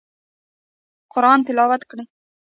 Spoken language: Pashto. قرآن تلاوت کړئ